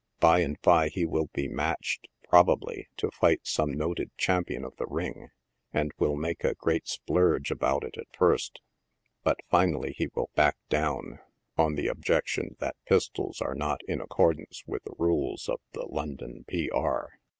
By and by he will be matched, probably, to fight some noted champion of the ring, and will make a great splurge about it at first ; but finally he will back down, on the objection that pistols are not in accordance with the rules of the " London P. R."